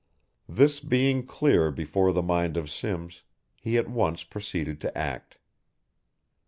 This being clear before the mind of Simms, he at once proceeded to act.